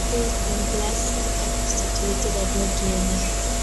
Il complesso è costituito da due chiese.